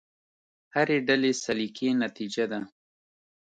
هرې ډلې سلیقې نتیجه ده.